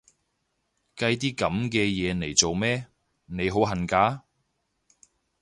計啲噉嘅嘢嚟做咩？，你好恨嫁？